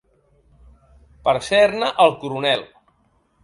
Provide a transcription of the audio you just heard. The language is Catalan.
per ser-ne el coronel.